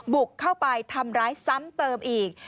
บุกเข้าไปทำร้ายซ้ำเติมอีก